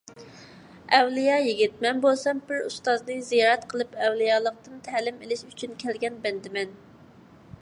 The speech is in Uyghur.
ئەۋلىيا يىگىت، مەن بولسام پىر ئۇستازنى زىيارەت قىلىپ ئەۋلىيالىقتىن تەلىم ئېلىش ئۈچۈن كەلگەن بەندىمەن.